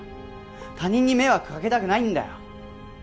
他人に迷惑かけたくないんだよ！